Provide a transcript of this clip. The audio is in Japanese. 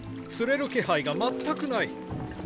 釣れる気配が全くない。